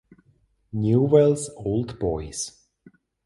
Newell’s Old Boys